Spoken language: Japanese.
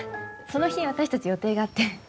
その日私たち予定があって。